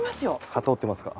機織ってますか？